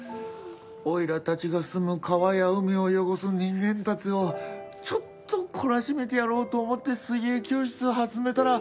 おいらたちが住む川や海を汚す人間たちをちょっと懲らしめてやろうと思って水泳教室を始めたら。